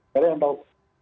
dara yang tahu